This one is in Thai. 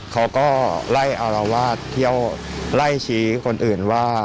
เขาก็ไล่อารวาสเที่ยวไล่ชี้คนอื่นว่า